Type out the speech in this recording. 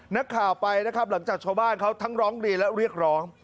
นักข่าวไปนะครับหลังจากชาวบ้านเขาทั้งร้องเรียนและเรียกร้อง